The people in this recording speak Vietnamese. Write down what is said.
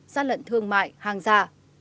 phát lận thương mại hàng gia